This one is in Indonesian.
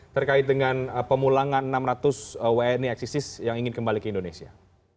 terkait dengan pemulangan enam ratus wni eksisis yang ingin kembali ke indonesia